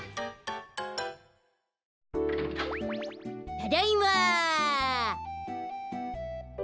ただいま。